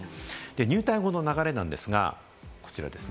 入隊後の流れなんですが、こちらです。